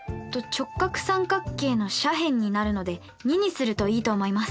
直角三角形の斜辺になるので２にするといいと思います。